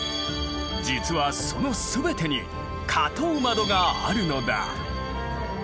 実はその全てに花頭窓があるのだ。